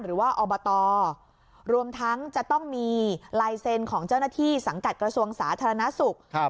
อบตรวมทั้งจะต้องมีลายเซ็นต์ของเจ้าหน้าที่สังกัดกระทรวงสาธารณสุข